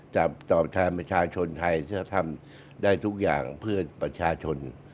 ตอบแทนประชาชนไทยถ้าทำได้ทุกอย่างเพื่อประชาชน